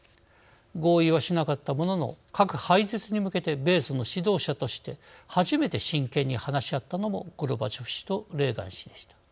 合意はしなかったものの核廃絶に向けて米ソの指導者として初めて真剣に話し合ったのもゴルバチョフ氏とレーガン氏でした。